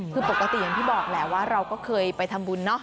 คือปกติอย่างที่บอกแหละว่าเราก็เคยไปทำบุญเนาะ